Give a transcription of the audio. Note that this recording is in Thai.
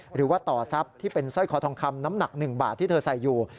หรือว่าต่อทรัพย์ที่เป็นสร้อยคอทองคำน้ำหนัก๑บาทที่เธอใส่อยู่